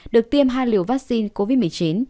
được tiêm hai liều vaccine covid một mươi chín